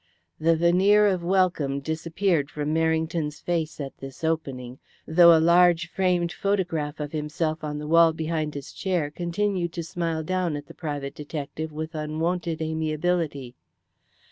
The veneer of welcome disappeared from Merrington's face at this opening, though a large framed photograph of himself on the wall behind his chair continued to smile down at the private detective with unwonted amiability.